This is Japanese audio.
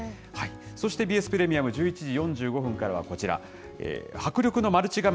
そしてＢＳプレミアム１１時４５分からは、こちら、迫力のマルチ画面！